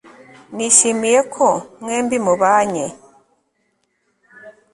nishimiye ko mwembi mubanye